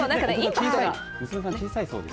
娘さんまだ小さいそうです。